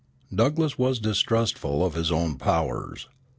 Douglass was distrustful of his own powers.